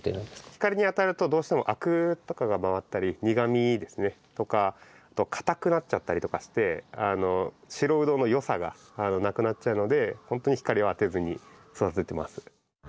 光に当たるとどうしてもアクとかが回ったり苦みですねとか硬くなっちゃったりとかして白ウドの良さがなくなっちゃうのでほんとに光を当てずに育ててます。